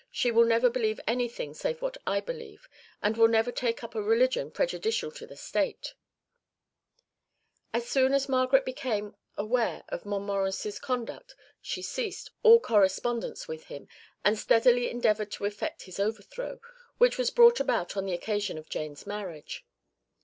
She will never believe anything save what I believe, and will never take up a religion prejudicial to the State.'" (1) 1 OEuvres de Brantôme, 8vo, vol. v. (Dames illustres), p. 219. As soon as Margaret became aware of Montmorency's conduct she ceased all correspondence with him and steadily endeavoured to effect his overthrow, which was brought about on the occasion of Jane's marriage.